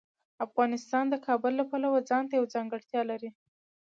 افغانستان د کابل له پلوه ځانته یوه ځانګړتیا لري.